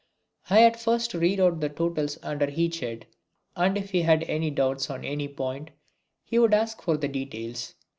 I had first to read out the totals under each head, and if he had any doubts on any point he would ask for the details.